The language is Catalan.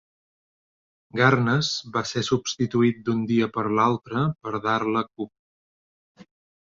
Garnes va ser substituït d'un dia per l'altre per Darla Coop.